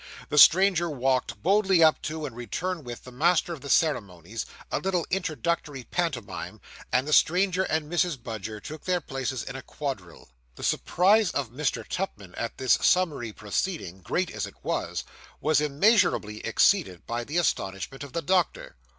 The stranger walked boldly up to, and returned with, the master of the ceremonies; a little introductory pantomime; and the stranger and Mrs. Budger took their places in a quadrille. The surprise of Mr. Tupman at this summary proceeding, great as it was, was immeasurably exceeded by the astonishment of the doctor.